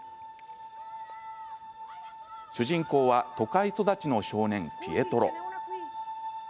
主人公は都会育ちの少年ピエトロ。